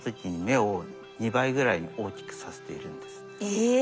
え！